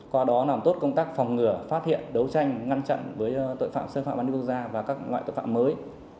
qua đó làm tốt công tác phòng ngừa phát hiện đấu tranh ngăn chặn với tội phạm xâm phạm an ninh quốc gia và các loại tội phạm mới